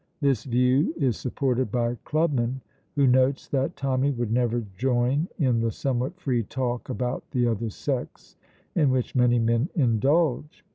This view is supported by Clubman, who notes that Tommy would never join in the somewhat free talk about the other sex in which many men indulge.